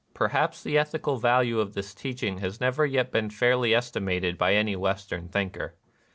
Per haps the ethical value of this teaching has never yet been fairly estimated by any West ern thinker.